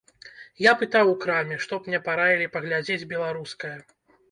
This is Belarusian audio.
Я пытаў у краме, што б мне параілі паглядзець беларускае.